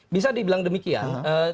bisa dibilang demikian